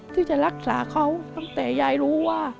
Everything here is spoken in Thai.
ที่จะรักษาเขาตั้งแต่ยายรู้ว่า